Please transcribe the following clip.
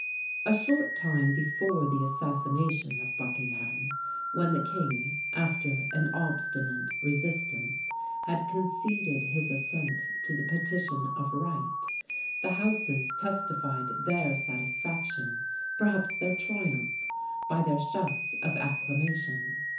A short time before the assassination of Buckingham, when the king, after an obstinate resistance, had conceded his assent to the "Petition of Right," the houses testified their satisfaction, perhaps their triumph, by their shouts of acclamation.